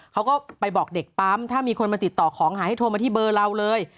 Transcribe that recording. เขาก็ไปบอกเด็กปั๊มถ้ามีคนมาติดต่อของหายให้โทรมาที่เบอร์เราเลย